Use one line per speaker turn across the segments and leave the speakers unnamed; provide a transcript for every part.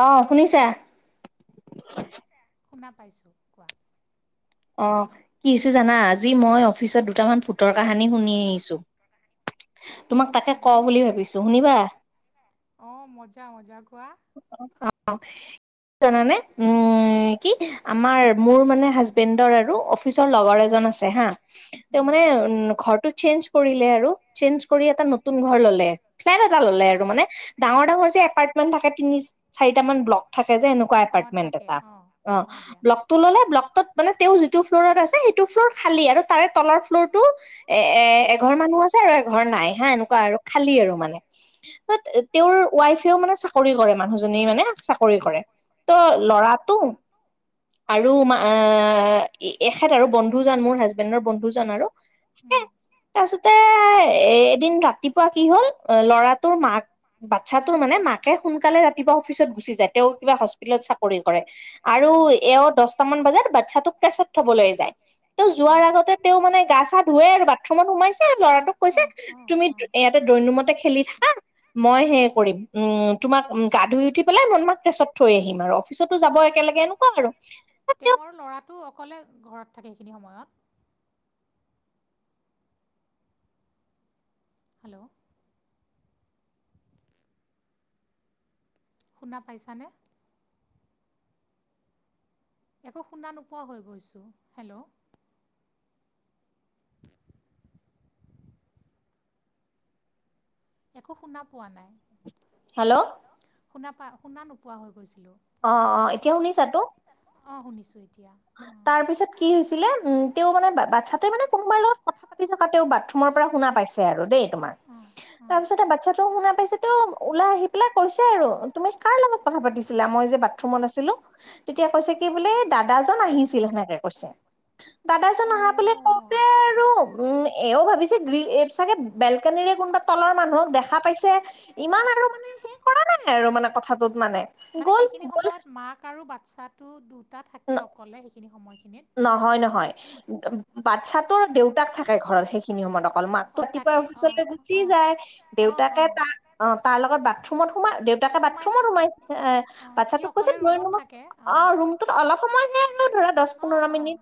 অ', শুনিছে?
শুনা পাইছোঁ, কোৱা।
অ', কি হৈছে জানা, আজি মই অফিচত দুটামান ভূতৰ কাহানী শুনি আহিছোঁ।
অ', হয় নেকি? অ', মজা, মজা কোৱা।
অ', কি জানানে? উম, কি আমাৰ মোৰ মানে হাজ বেণ্ডৰ আৰু অফিচৰ লগৰ এজন আছে হা, তেওঁ মানে ঘৰটো চেঞ্জ কৰিলে আৰু চেঞ্জ কৰি এটা নতুন ঘৰ ললে, ফ্লেট এটা ললে আৰু মানে ডাঙৰ, ডাঙৰ যে এপাৰ্টমেণ্ট থাকে, তিনি চাৰিটামান ব্লক থাকে যে এনেকুৱা এপাৰ্টমেণ্ট এটা অ ব্লকটো ললে‌ ব্লকটোত মানে তেওঁ যিটো ফ্ল'ৰত আছে সেইটো ফ্ল'ৰ খালী আৰু তাৰে তলৰ ফ্ল'ৰটো এ এ এঘৰ মানুহ আছে আৰু এঘৰ নাই হা এনেকুৱা আৰু খালী আৰু মানে তৰচত তেওঁৰ ৱাইফেও মানে চাকৰি কৰে মানুহজনী মানে চাকৰি কৰে। ত ল'ৰাটো আৰু অ আহ এখেত আৰু বন্ধুজন মোৰ হাজবেণ্ডৰ বন্ধুজন আৰু এ তাৰপিছত তে এ এদিন ৰাতিপুৱা কি হল ল'ৰাটোৰ মাক বাচ্ছা তোৰ মানে মাকে সোনকালে ৰাতিপুৱা অফিচত গুচি যায় তেওঁ কিবা হস্পিতেলত চাকৰি কৰে। আৰু এওঁ দহটামান বজাত বাচ্ছাটোক প্ৰেছত থবলৈ যায়। তেওঁ যোৱাৰ আগতে তেওঁ মানে গা চা ধুৱে আৰু বাথৰুমত সোমাইছে আৰু ল'ৰাটোক কৈছে তুমি ইয়াতে ড্ৰইং ৰুমতে খেলি থাকা মই হে কৰিম উম তোমাক উ গা ধুই উঠি পেলাই মই তোমাক প্ৰেছত থৈ আহিম আৰু। পিছতো যাব একেলগে এনেকুৱা আৰু।
তেওঁৰ ল'ৰাটো অকলে ঘৰত থাকে সেখিনি সময়ত। হেল্ল' শুনা পাইছানে? একো শুনা নোপোৱা হৈ গৈছোঁ হেল্ল'। একো শুনা পোৱা নাই।
হেল্ল'
শুনা পা শুনা নোপোৱা হৈ গৈছিলোঁ।
অ অ এতিয়া শুনিছা তো?
অঁ শুনিছোঁ এতিয়া।
তাৰপিছত কি হৈছিলে উম তেওঁ মানে বাচ্ছাটোৱে মানে কোনোবাৰ লগত কথা পাতি থকাতেও বাথৰুমৰ পৰা শুনা পাইছে আৰু দেই তোমাৰ। তাৰপিছতে বাচ্ছাটো শুনা পাইছেতোও ওলাই আহি পেলাই কৈছে আৰু তুমি কাৰ লগত কথা পাতিছিলা মই যে বাথ বাথৰুমত আছিলো, তেতিয়া কৈছে কি বোলে এই দাদা এজন আহিছিল সেনেকে কৈছে। দাদাজন আহা বুলি কওঁতে আৰু উম এও ভাবিছে গ্ৰীন এত চাগে বেলকানিৰে কোনোবা তলৰ মানুহক দেখা পাইছে ইমান আৰু মানে সি কৰা নাই আৰু মানে কথাটোত মানে।
মানে সেইখিনি সময়ত মাক আৰু বাচ্ছাটো দুটা থাকে অকলে সেইখিনি সময়খিনিত।
নহয় নহয় বাচ্ছাটোৰ দেউতাক থাকে ঘৰত সেইখিনি সময়ত অকল মাক ৰাতিপুৱা অফিচলৈ গুচি যায় দেউতাকে তাৰ অ তাৰ লগত বাথৰুমত সোমাই দেউ দুটাকে বাথৰুমত সোমাই বাচ্ছাতোক কৈছে ড্ৰইং ৰুমত অ ৰুম অলপ সময় হেনো ধৰা দহ পোন্ধৰ মিনিট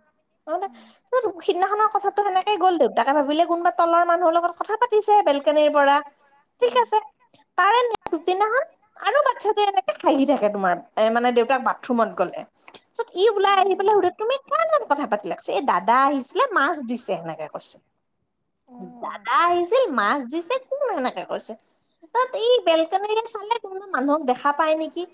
সিদিনাখনৰ কথাটো সেনেকে গ'ল দেউতাকে ভাবিলে কোনোবা তলৰ মানুহৰ লগত কথা পাতিছে বেলকেনিৰ পৰা। ঠিক আছে তাৰে নেক্স দিনাখন আৰু বাচ্ছা যে এনেকে হাঁহি থাকে, তোমাৰ এ মানে দেউতাক বাথৰুমত গলে। পাছত ই ওলাই আহিবলে সময়ত তুমি কাৰ লগত কথা পাতি লাগছে এই দাদা আহিছিলে মাছ দিছে সেনেকে কৈছে। দাদা আহিছিল মাছ দিছে কোন এনেকে কৈছে। তাত এই বেলকনিৰে চালে কোনো মানুহক দেখা পাই নেকি।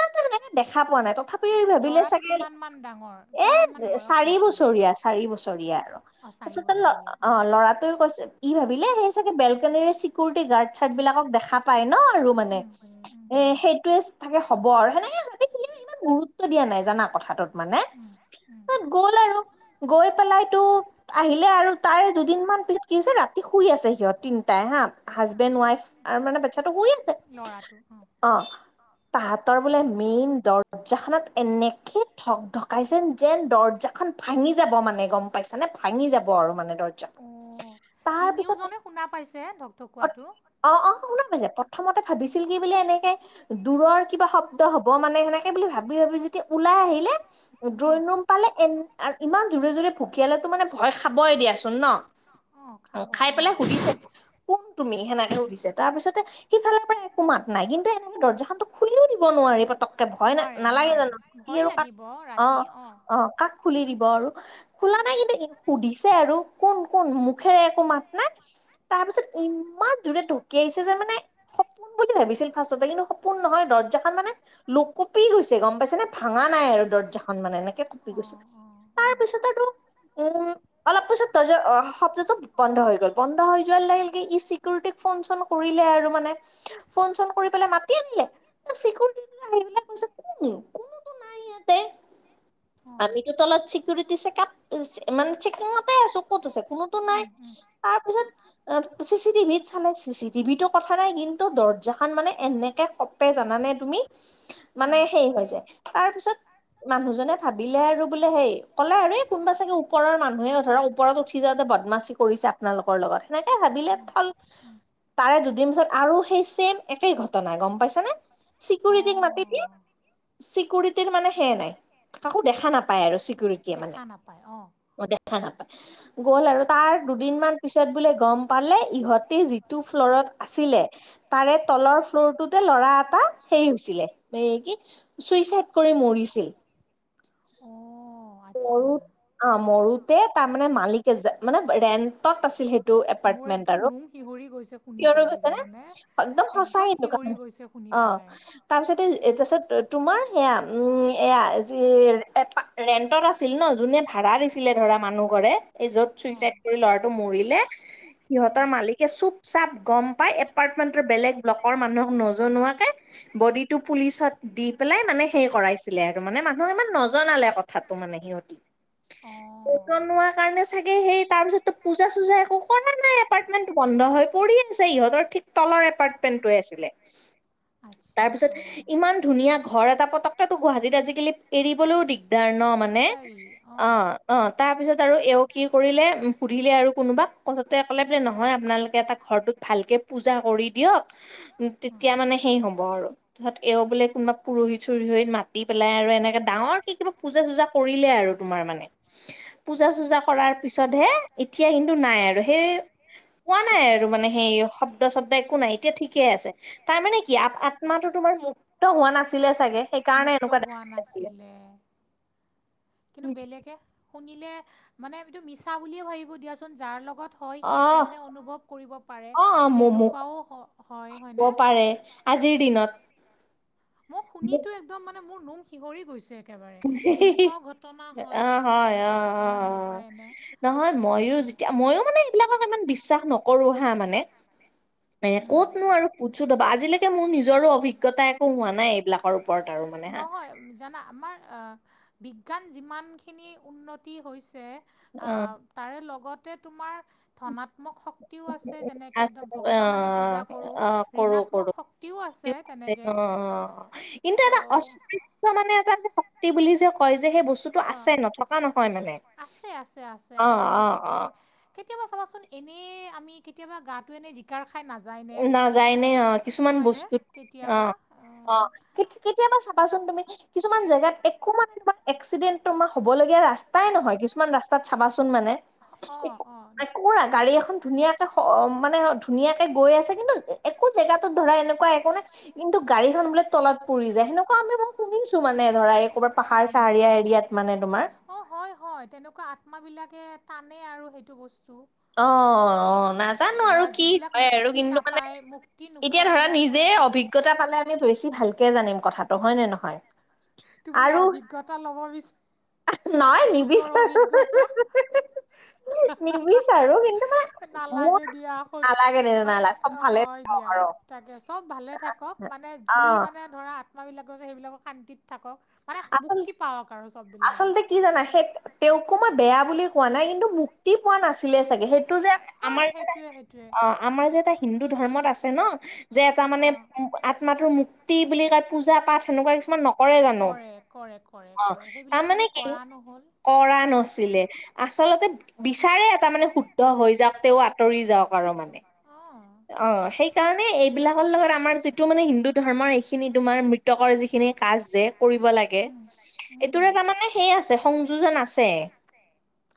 তাত আৰু এনেকে দেখা পোৱা নাই তথাপি
ল'ৰাটো কিমান মান ডাঙৰ?
এ চাৰি বছৰীয়া চাৰি বছৰীয়া আৰু তাৰপিছতে ল অঁ ল'ৰাটোৱে কৈছে। ই ভাবিলে সেই চাগে বেলকনিৰে চিকিউৰিটি গাৰ্ড চাৰ্ড বিলাকক দেখা পাই ন আৰু মানে। এ সেইটোৱে চাকে হ'ব আৰু সেনেকে ভাবি থাকিলে মানে ইমান গুৰুত্ব দিয়া নাই জানা কথাটোত মানে, তাত গ'ল আৰু গৈ পেলাইতো আহিলে আৰু তাৰে দুদিনমান পিছত কি হৈছে ৰাতি শুই আছে সিহঁত তিনটাই হা, হাজবেণ্ড ৱাইফ আৰু মানে বাচ্ছাটো শুই আছে। অঁ তাহাঁতৰ বোলে মেইন দৰ্জাখনত এনেকে ঢক ঢকাই যেন যেন দৰ্জাখন ভাঙি যাব মানে গম পাইছা নে, ভাঙি যাব আৰু মানে দৰ্জা।
তিনিয়োজনে শুনা পাইছে ঢক ঢকুৱাটো।
অঁ অঁ শুনা পাইছে, প্ৰথমতে ভাবিছিল কি বুলি এনেকে দূৰৰ কিবা শব্দ হব মানে সেনেকে বুলি ভাবি ভাবি যেতিয়া ওলাই আহিলে ড্ৰয়িং ৰুম পালে, এ ইমান জোৰে জোৰে ধুকিয়ালেতো মানে ভয় খাবই দিয়াচোন ন খাই পেলাই সুধিছে কোন তুমি সেনেকে সুধিছে তাৰ পিছতে সিফালৰ পৰা একো মাত নাই কিন্তু এনেকে দৰ্জাখনো খুলিও দিব নোৱাৰি পতক ত ভয় ন নালাগে জানো সি আৰু কাক
বৰ
অঁ অঁ কাক খুলি দিব আৰু। খোলা নাই কিন্তু সুধিছে আৰু, কোন কোন মুখেৰে একো মাত নাই। তাৰপিছত ইমান জোৰে ঢকিযাইছে যেন মানে সপোন বুলি ভাবিছিল ফাৰ্ষ্টততে কিন্তু সপোন নহয় দৰ্জাখনান মানে লোক কঁপি গৈছে গম পাইছে নে ভাঙা নাই আৰু দৰ্জাখন মানে এনেকে কঁপি গৈছে। তাৰপিছতটো আৰু উম অলপ পাছত দৰ্জা শব্দটো বন্ধ হৈ গ'ল, বন্ধ হৈ যোৱাৰ লাগিল ই চিকিউৰিটিক ফোন চোন কৰিলে আৰু মানে ফোন চোন কৰি পেলাই মাতি আনিলে। চিকৰিউটো আহি পেলাই কৈছে কোন নো? কোনোতো নাই ইয়াতে। আমিতো তলত চিকিউৰিটি চেকযাপ মানে চেকিঙতে আৰু ক'ত আছে কোনোতো নাই। তাৰ পাছত অ, চি চি টিভিত চালে চি চি টিভিটো কথা নাই কিন্তু দৰ্জা খন মানে এনেকে ক পে জানানে তুমি, মানে সেই হৈ যায়। তাৰপিছত মানুহ জনে ভাবিলে আৰু বোলে হেই কলে আৰু এই কোনোবা চাগে ওপৰৰ মানুহে ধৰক ওপৰত উঠি যাওঁতে বদমাচী পৰিছে আপোনালোকৰ লগত, সেনেকৈ ভাবিলে ফল তাৰে দুদিন পিছত আৰু সেই ছেম একেই ঘটনা গম পাইছ নে। চিকিউৰিটিক মাতি দি চিকিউৰিটিৰ মানে হে নাই। কাকো দেখা নাপায় আৰু চিকিউৰিটিয়ে মা, নে অঁ দেখা নাপায়। গ'ল আৰু তাৰ দুদিনমান পিছত বোলে গম পালে ইহঁতে যিটো ফ্লৰত আছিলে, তাৰে তলৰ ফ্ল'ৰটোতে ল'ৰা এটা হেৰি হৈছিলে এ কি চুইচাইড কৰি মৰিছিল। মৰু অ মৰুতে তাৰ মানে মালিক এজ মানে ৰেন্টত আছিল সেইটো
মোৰ একদম নোম শিহৰি গৈছে শুনি পেলাই জানানে একদম শিঞৰি গৈছে শুনি পেলাই অ
তাৰ পিছতে তাৰিছত তোমাৰ সেয়া উম এয়াি এ ৰেন আছিল ন যোনে ভাড়া দিছিলে ধৰা মানুহ ঘৰে এই য'ত চুইচাইদ কৰি লৰাটো মৰিলে সিহঁতৰ মালিকে চুপ চাপ গম পাই এপাৰ্টমেন্টৰ বেলেগ ব্লকৰ মানুহক নজনোৱাকে বডিটো পুলিচত দি পেলাই মানে সেই কৰাইছিলে আৰু মানে মানুহক ইমান নজনালে ক কথাতো মানে সিহঁতি
অ
বোৱাৰ কাৰণে চাগে সেই তাৰ পিছতো পূজা চজা একো কৰা ন নাই এপাৰ্টমেন্টটো বন্ধ হয় পৰি আছে ইহঁতৰ ঠিক তলৰ এপাৰ্টমেন্টটোৱে আছিলে তাৰপিছত ইমান ধুনীয়া ঘৰ এটা পতাকাতো গুৱাহাটীত আজিকালি এৰিবলৈও দিগ উ ধৰণ মানে অ অ তাৰ পিছত আৰু এওঁ কি কৰিলে পু়িলে আৰু কোনোবাক কথাতে ক'লে বোলে নহয় আপোনালোকে এটা ঘৰটোত ভালকে পূজা কৰি দিয়ক তেতিয়া মানে সেই হ'ব আৰু তত এ বোলে কোনোবা পৰহি চোৰোহিত মাতি পেলাই আৰু এনেকে ডাঙৰ কে কিবা পূজা চূজা কৰিলে আৰু তোমাৰ মানে পূজা চূজা কৰাৰ পিছতহে এতিয়া কিন্তু নাই আৰু সেই কোৱা নাই আৰু মানে সেই শব্দ চব্দ একো নাই এতিয়া ঠিকে আছে তাৰ মানে কি আ-আত্মাটো তোমাৰ মুক্ত হোৱা নাছিলে চাগে
মুক্ত হোৱা নাছিলে কিন্তু বেলেগে শুনিলে, মানে এইটো মিছা বুলিয়ে ভাবিব দিয়াচোন যাৰ লগত হয় সি তেওঁহে অনুভৱ কৰিব পাৰে, যে এনেকুৱাও হয়, হয়নে
পাৰে আজিৰ দিনত
এইটো একদম মানে, মোৰ নোম শিহৰি গৈছে একেবাৰে এনেকুৱাও ঘটনা হয়নে, বা এনেকুৱা ঘটনা হ'ব পাৰেনে
নহয় ময়ো যেতিয়া, মইও মানে এইবিলাকক ইমান বিশ্বাস নকৰো হা মানে এ কতনো আৰু কোট চোট হবা আজিলৈকে মোৰ নিজৰো অভিজ্ঞতা একো হোৱা নাই এইবিলাকৰ
নহয় জানা আমাৰ বিজ্ঞান যিমানখিনি উন্নতি হৈছে আ, তাৰে লগতে তোমাৰ ধনাত্মক শক্তিও আছে, যেনেকে ভগৱান আমি পূজা কৰোঁ ঋণাত্মক শক্তিও আছে তেনেকে
অ', কিন্তু এটা অস্তিত্ব মানে এটা শক্তি বুলি যে কয় যে সেই
অ আছে নথকা নহয় আছে আছে আছে আমি অনুভৱ কৰ কেতিয়াবা চাবাচোন, এনে আমি কেতিয়াবা গাটো এনে জিকাৰ খাই নায যায়নে নাযায়নে হয়নে কেতিয়াবা অ
কে-কেতিয়াবা চাবাচোন তুমি কিছুমান জেগাত একো মানে এক্সিডেণ্ট তোমাৰ হবলগীয়া ৰাস্তাই নহয়, কিছুমান ৰাস্তাত চাবাচোন মানে এ একৰা গাড়ী এখন ধুনীয়াকে মানে ধুনীয়াকে গৈ আছে কিন্তু একো জেগাতো ধৰা এনেকুৱা একো নে কিন্তু গাড়ীখন বোলে তলত পৰি যায় সেনেকুৱা আমি মই শুনিছো মানে ধৰা ক'ৰবাৰ পাহাৰ চাহাৰীয়া এৰিয়াত মানে তোমাৰ
হয় তেনেকুৱা আত্মাবিলাকে টানে আৰু সেইটো বস্তু
অ অ অ অ নাজানো আৰু কি হয় আৰু কিন্তু মানে এতিয়া ধৰা নিজে অভিজ্ঞ অভিজ্ঞতা পালে আমি বেছি ভালকে জানিম কথাটো হয় নে নহয়?
তুমি অভিজ্ঞতা ল'ব বিচাৰা। ভোতৰ অভিজ্ঞতা। নালাগে দিয়া সত মানে হয় দিয়া। তাকে চব ভালে থাকক মানে যি মানে ধৰা আত্মা বিলাক যে সেইবিলাক শান্তিত থাকক মানে মুক্তি পাওক আৰু চব।
আচলতে কি জানা সেই তেওঁকো মই বেয়া বুলি কোৱা নাই কিন্তু মুক্তি পোৱা নাছিলে চাগে সেইটো যে আমাৰ এ অ' আমাৰ যে এটা হিন্দু ধৰ্মত আছে ন যে এটা মানে আত্মাটোৰ মুক্তি বুলি কয় পূজা পাঠ সেনেকুৱা কিছুমান নকৰে জানো? অ' তাৰমানে কি কৰা নাছিলে। আচলতে বিচাৰে এটা মানে শুদ্ধ হৈ যাওঁক তেঁও আঁতৰি যাওঁক আৰু মানে। অ' সেইকাৰণে এইবিলাকৰ লগত আমাৰ যিটো মানে হিন্দু ধৰ্মৰ এইখিনি তোমাৰ মৃত্যু কৰ যিখিনি কাজ যে কৰিব লাগে। এইটোৰে তাৰমানে সেই আছে সংযোজন আছে।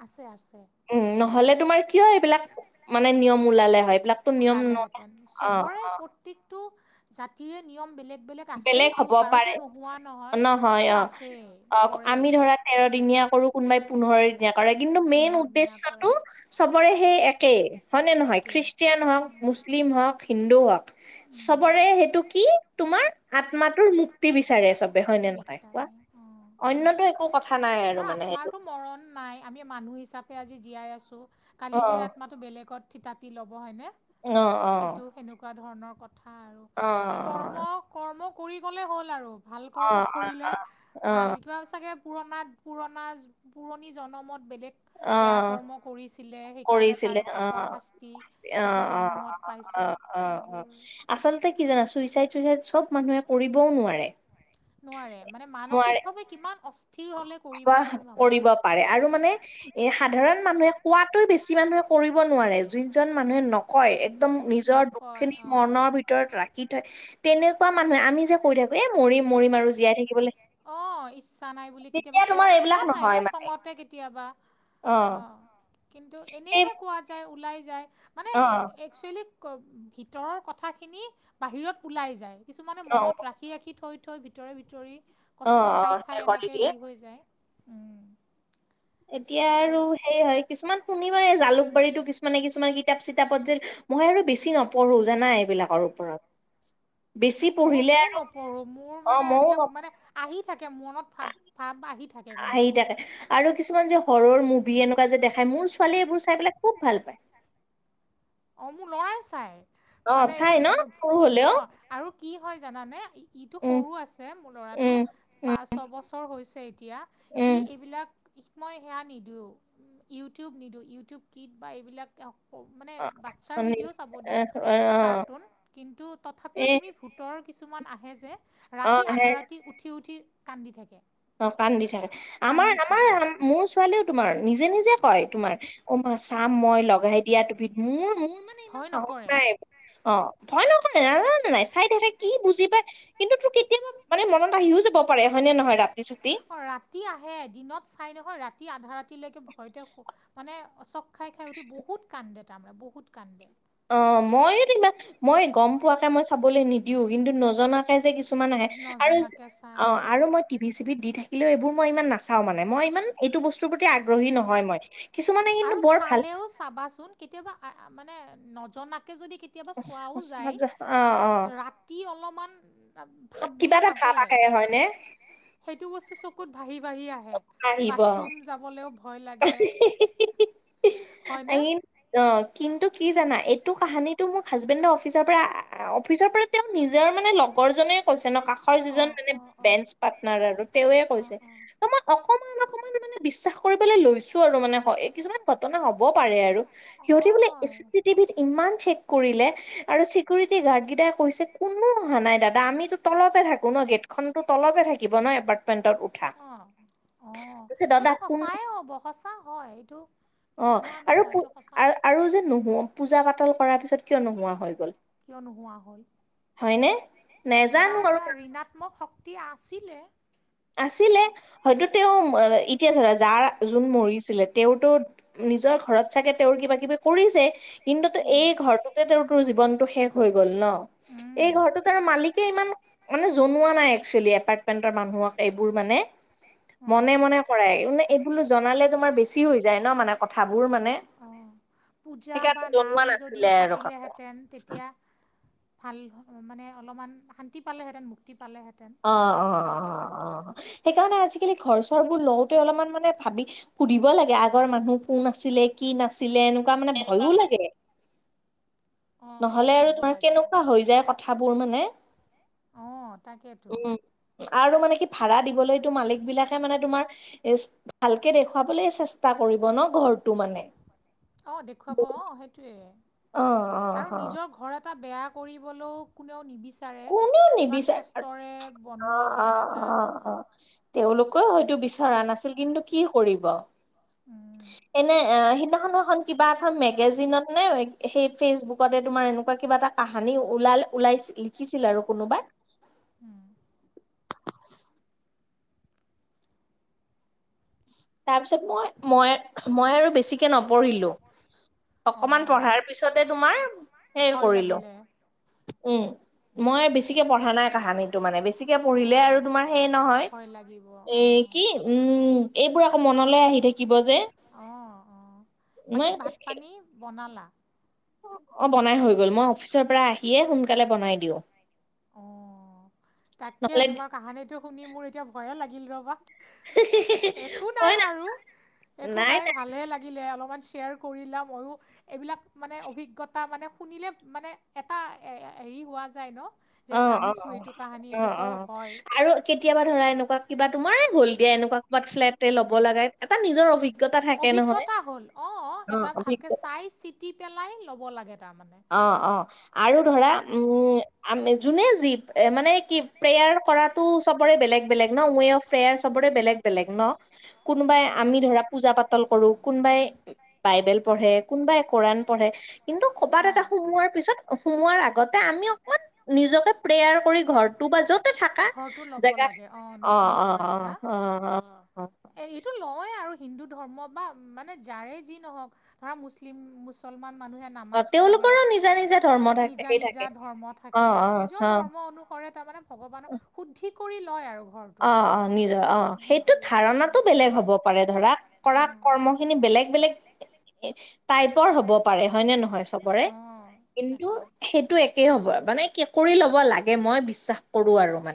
আছে আছে।
উম নহলে তোমাৰ কিয় এইবিলাক মানে নিয়ম ওলালে হয় এইবিলাক।
ওলালেহেঁতেন চবৰে প্ৰত্যেকটো জাতিৰে নিয়ম বেলেগ বেলেগ আছেই ত কাৰোতো নোহোৱা নহয় কিন্তু আছেই কৰে।
কোনোবাই পোন্ধৰ [unintelligible] কৰে কিন্তু মেইন উদ্দেশ্যটো চবৰে সেই একেই। হয়নে নহয় খ্ৰীষ্টিয়ান হওঁক মুছলিম হওঁক। হিন্দু হওক চবৰে সেইটো কি তোমাৰ। আত্মাটোৰ মুক্তি বিচাৰে চবে হয়নে নহয় কোৱা? অন্যতো একো কথা নাই আৰু মানে সেইটো।
মৰণ নাই, আমি মানুহ হিচাপে আজি জীয়াই আছোঁ। কালি সেই আত্মাটো বেলেগত থিতাপি ল'ব হয়নে, সেইটো সেনেকুৱা ধৰণৰ কথা। কথা আৰু সেই কৰ্ম কৰ্ম কৰি গ'লে হ'ল আৰু। ভাল কৰ্ম কৰিলে ভাল কিবা চাগৈ পুৰণাত পুৰণা পুৰণি জনমত বেলেগ
অ'
কৰিছিলে সেইকাৰণে তাৰে পাপৰ শাস্তি এইটো জনমত পাইছে।
অ' অ' আচলতে কি জানা চুইচাইড চুইচাইড চব মানুহে কৰিবওঁ নোৱাৰে।
নোৱাৰে, মানে মানসিকভাৱে কিমান অ
বাহ কৰিব পাৰে। আৰু মানে এই সাধাৰণ মানুহে কোৱাতোৱে বেছি মানুহে কৰিব নোৱাৰে। যোনজন মানুহে ন কয় একদম নিজৰ দুখখিনি মনৰ ভিত ৰত ৰাখি থয় তেনেকুৱা মানুহে, আমি যে কৈ থাকো এ মৰিম মৰিম আৰু
অ' ইচ্ছা নাই বুলি কেতিয়াবা কওঁ কোৱা যায় ন খঙতে কেতিয়াবা। অ' কিন্তু এনেইহে কোৱা যায় ওলাই যায়। মানে চোৱেলি ভিতৰৰ কথাখিনি বাহিৰত ওলাই যায়। কিছুমানে মনত ৰাখি ৰাখি ৰাখি থৈ থৈ ভিতৰে ভিতৰি কষ্ট খাই খাই এনেকৈ হেৰি হৈ যায়।
এতিয়া আৰু সেই হয়। কিছুমান শুনিবৈ এই জালুকবাৰীতো কিছুমানে কিছুমান কিতাপ চিতাপত যে মই আৰু বেছি ন পঢ়ো যানা এইবিলাকৰ ওপৰত।
মই মই নপঢ়ো মোৰ মানে এইবিলাক মানে আহি থাকে মনত ভাৱ ভাৱ আহি থাকে।
আহি থাকে। আৰু কিছুমান যে হৰৰ মুভি এনেকুৱা যে দেখাই, মোৰ ছোৱালীয়ে এইবোৰ চাই পেলাই খুব ভাল পায়।
অঁ মোৰ ল'ৰাই চাই। মানে এই অ আৰু কি হয় জানানে ইটো সৰু আছে যে মোৰ ল'ৰাটো পাচ ছয় বছৰ হৈছে এতিয়া, সি এইবিলাক মই সেয়া নিদিওঁ, ইউটিউব নিদিওঁ ইউটিউব কিড বা এইবিলাক মানে বাচ্ছাৰ ভিডিঅ' চাব দিওঁ কাৰ্টুন, কিন্তু তথাপিও তুমি ভুতৰ কিছুমান আহে যে, ৰাতি আধা ৰাতি উঠি উঠি কান্দি থাকে।
অ' কান্দি থাকে, আমাৰ আমাৰ মোৰ ছোৱালীওঁ, তোমাৰ নিজে নিজে কয়, তোমাৰ অ' মা চাম মই লগাই দিয়া টিভিটো, মোৰ মোৰ মানে ইমান সাহস নাই, অ' ভয় নকৰে ন নাজানো ন নাই চাই থকে কি বুজি পাই কিন্তু তোৰ কেতিয়াবা মানে মনত আহিও যাব পাৰে হয় নে নহয়। ৰা
অঁ ৰাতি আহে দিনত চাই নহয়, ৰাতি আধা ৰাতিলৈকে ভয়তে মানে চক খাই খাই উঠি বহুত কান্দে তাৰমানে বহুত কান্দে।
অ' মইয়ো ত ইমমান মই গ'ম পোৱাকে মই চাবলৈ নিদিওঁ, কিন্তু নজনাত কিছুমান আহে, আৰু মই টিভি চিভিত দি থাকিলেওঁ মই ইমান নাচাওঁ মানে মই ইমান এইটো বস্তুৰ প্ৰতি আগ্ৰহী নহয় মই। কিছুমানে কিন্তু বৰ ভাল
টো চাবাচোন কেতিয়াবা মানে নজনাকে যদি কেতিয়াবা চোৱাওঁ যায়, ৰাতি অলপমান ভাৱবিলাক আহে।
[unintelligible]
সেইটো বস্তু চ কুভ ভা'হি ভা'হি আহে, বাথৰুম যাবলৈও ভয় লাগে। হয়নে?
অ' কিন্তু কি জানা, এইটো কাহানীটো মোক হাজবেণ্ডৰ অফিচতে অফিচৰ পৰা তেওঁ নিজৰ মানে লগৰজনে কৈছে ন, কাষৰ যিজন মানে বেঞ্চ পাৰ্টনাৰ আৰু তেওঁৱে কৈছে। তোমা
[unintelligible]
বিশ্বাস কৰিবলৈ লৈছো আৰু মানে কিছুমান ঘটনা হ'ব পাৰে আৰু সিহঁতে বোলে এ চি চি টিভিত ইমান চেক কৰিলে আৰু চিকিউৰিটি গাৰ্ড কেইটাই কৈছে কোনো অহা নাই দাদা আমিতো তলতে থাকো ন গেট খন তলতে থাকি কিবৱন এপাৰ্টমেণ্টত উঠা
অ অ সেইটো সঁচাই হ'ব সঁচা হয় এইটো
অ আৰু আৰু যে নোহোৱা পূজা পাতাল কৰাৰ পিছত কিয় নোহোৱা হৈ গ'ল
কিয় নোহোৱা হল কিবা এটা ঋণাত্মক শক্ত কি আছিলে?
আছিলে হয়তো তেওঁ এতিয়া ধৰা যাৰ যোন মৰিছিলে তেওঁতো নিজৰ ঘৰত চাগে তেওঁৰ কিবা কিবি কৰিছে কিন্তু ত এই ঘৰটোতে তেওঁ তোৰ জীৱনটো শেষ হৈ গ'ল ন এই ঘৰটোত আৰু মালিকে ইমান মানে জনোৱা নাই একচুৱেলি এপাৰ্টমেন্টৰ মানুহক এইবোৰ মানে মনে মনে কৰাই এইবুলো জনালে তোমাৰ বেছি হৈ যায় ন মানে কথাবোৰ মানে সেইকাৰণে জনোৱা নাছিলে আৰু কাকো।
ভাল মানে অলপমান শান্তি পালেহেঁতেন মুক্তি পালেহেঁতেন মানে
অ', অ', অ ', অ'। সেইকাৰণে আজিকালি ঘৰ চৰবোৰ লওঁতে অলপমান মানে ভাবি সুধিব লাগে, আগৰ মানুহ কোন আছিলে, কি নাছিলে এনেকুৱা মানে ভয়ো লাগে। নহ'লে আৰু তোমাৰ কেনেকুৱা হৈ যায়, কথাবোৰ মানে।
অ', তাকেইতো।
আৰু মানে কি ভাৰা দিবলৈতো মালিকবিলাকে মানে তোমাৰ ভালকে দেখুৱাবলৈ চেষ্টা কৰিব ন' ঘৰটো মানে।
অ', দেখুৱাব অ', সেইটোৱে। আৰু নিজৰ ঘৰ এটা বেয়া কৰিবলৈও কোনেও নিবিচ
কোনেও নিবিচাৰ, অ', অ', অ', অ'। তেওঁলোকেও হয়তো, বিচৰা নাছিল কিন্তু কি কৰিব।
উম।
এনে এ, সিদিনাখন কিবা এখন মেগাজিনত নে, সেই ফেচবুকতে তোমাৰ এনেকুৱা কিবা কাহানি ওলাল, ওলাই লিখিছিল আৰু কোনোবাই।
উম।
তাৰপিছত মই, মই, মই আৰু বেছিকে নপঢ়িলো। অকমান পঢ়াৰ পিছতে তোমাৰ [unintelligible] কৰিলোঁ। উম, মই বেছি বেছিকে পঢ়া নাই কাহানীটো, মানে বেছিকে পঢ়িলে আৰু তোমাৰ সেই নহয় এ, কি উম। এইবোৰ আকৌ মনলৈ আহি থাকিব যে, ইমান বেছিকে
বনালা?
অ', বনাই হৈ গ'ল। মই অফিচৰ পৰা আহিয়ে সোনকালে বনাই দিওঁ।
অ', তাকে তোমাৰ কাহানীটো শুনি মোৰ এতিয়া ভয়ে লাগিল ৰ'বা। একো নাই বাৰু, একো নাই ভালে লাগি লে অলপমান শ্বেয়াৰ কৰিলা, মইয়ো এইবিলাক মানে অভিজ্ঞতা মানে শুনিলে মানে এটা হেৰি হোৱা যায় ন'! যে জানিছোঁ এইটো কাহানী, এনেকুৱাও হয়।
কেতিয়াবা ধৰা এনেকুৱা কিবা তোমাৰে হ'ল দিয়া, এনেকুৱা কিবা ফ্লেট ল'ব লাগে।
[unintelligible] অভিজ্ঞতা হ'ল অ', এটা ভালকে চাই চিতি টি পেলাই ল'ব লাগে তাৰ মানে।
অ', অ', আৰু ধৰা উম, আমি যোনে যি এ, মানে কি প্ৰেয়াৰ কৰাটো চবৰে বেলেগ, বেলেগ ন'! ৱে অফ প্ৰেয়াৰ চবৰে বেলেগ, বেলেগ ন? কোনোবাই আমি ধৰা পূজা পাতল কৰোঁ, কোনোবাই বাইবেল পঢ়ে, কোনোবাই কোৰান পঢ়ে, কিন্তু পাত এটা সোমোৱাৰ পিছত, সোমোৱাৰ আগতে আমি অকমান নিজকে প্ৰেয়াৰ কৰি ঘৰটো বা য'তে থাকা, জেগা অ', অ', অ', অ', অ', অ'।
এই-এইটো লওঁৱেই আৰু হিন্দু ধৰ্ম বা মানে যাৰে যি নহওঁক। ধৰা মুছলিম, মুছলমান মানুহে নামাজ পঢ়ে, নিজা, নিজা ধৰ্ম থাকে। নিজৰ ধৰ্ম অনুসৰে তাৰমানে ভগৱানক শুদ্ধি কৰি লয় আৰু ঘৰ।
অ', অ', নিজৰ অ', সেইটো ধাৰণাটো বেলেগ হ'ব পাৰে ধৰা, কৰা কৰ্মখিনি বেলেগ, বেলেগ [unintelligible] টাইপৰ হ'ব পাৰে হয়, নে নহয় চবৰে? কিন্তু সেইটোৱে [unintelligible] মানে কি কৰি ল'ব লাগে, মই বিশ্বাস কৰোঁ আৰু মানে।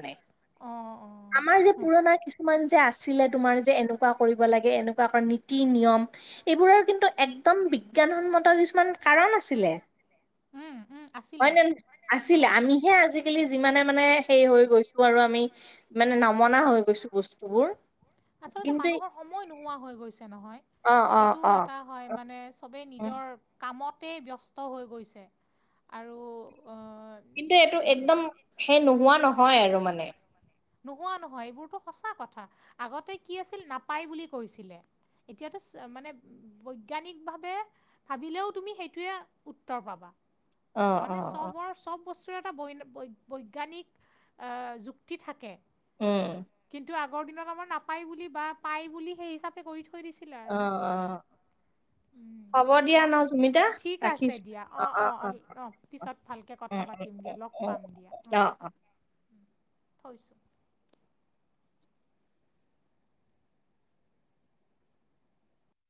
আমাৰ যে পুৰণা কিছুমান যে আছিলে, তোমাৰ যে এনেকুৱা কৰিব লাগে এনেকুৱা কৰা নীতি নিয়ম। এইবোৰৰ কিন্তু, একদম বিজ্ঞানসন্মত কিছুমান কাৰণ আছিলে। হয় নে? আছিলে আমিহে আজি, কালি যিমানে মানে সেই হৈ গৈছো আৰু, আমি মানে ন, মনা হৈ গৈছো বস্তুবোৰ। কিন্তু,
সময় নোহোৱা হৈ গৈছে নহয়। সেইটো এটা হয় মানে চবেই নিজৰ, কামতেই ব্যস্ত হৈ গৈছে আৰু, অ
কিন্তু এইটো একদম সেই নোহোৱা নহয় আৰু মানে।
নোহোৱা নহয়। এইবোৰতো সঁচা কথা আগতে কি আছিল নাপায় বুলি কৈছিলে। এতিয়াতো, চ মানে বৈজ্ঞানিকভাৱে, ভাবিলেও তুমি সেইটোৱে উত্তৰ পাবা। মানে চবৰ চব বস্তুৰে এটা বৈ বৈ বৈজ্ঞানিক যুক্তি থাকে। কিন্তু আগৰ দিনত আমাৰ নাপায় বুলি বা পাই বুলি সেই হিচাপে কৰি থৈ দিছে।
অ অ।
উম দিয়া, ঠিক আছে দিয়া অ অ অ। অঁ পিছত ভালকে কথা পাতিম দিয়া, লগ পাম দিয়া অঁ থৈছোঁ।